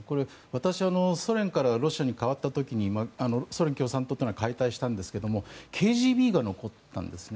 私はソ連からロシアに変わった時にソ連共産党というのは解散したんですがＫＧＢが残ったんですね。